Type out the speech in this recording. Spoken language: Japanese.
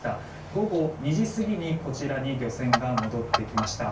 午後２時過ぎにこちらに漁船が戻ってきました。